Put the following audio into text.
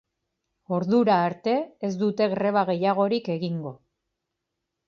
Ordura arte ez dute greba gehiagorik egingo.